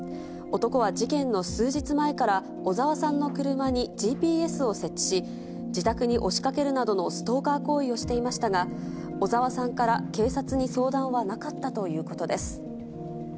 男は事件の数日前から、小沢さんの車にＧＰＳを設置し、自宅に押しかけるなどのストーカー行為をしていましたが、小沢さんから警察に相談はなかったということです。